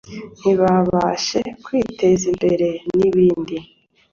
ntibabashe kwiteza imbere n’ibindi